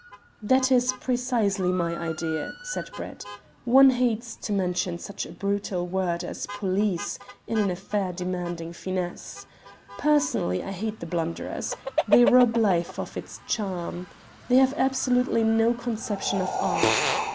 "That is precisely my idea," said Brett. "One hates to mention such a brutal word as 'police' in an affair demanding finesse. Personally I hate the blunderers. They rob life of its charm. They have absolutely no conception of art.